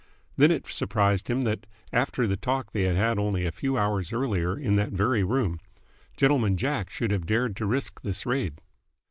Then it surprised him that, after the talk they had only a few hours earlier in that very room, Gentleman Jack should have dared to risk this raid.